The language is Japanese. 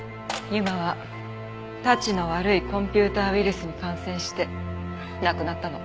ＵＭＡはたちの悪いコンピューターウイルスに感染して亡くなったの。